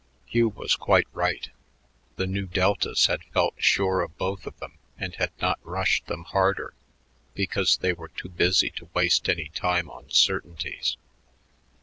Hugh was quite right. The Nu Deltas had felt sure of both of them and had not rushed them harder because they were too busy to waste any time on certainties.